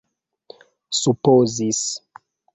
supozis